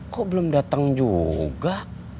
kok belum datang juga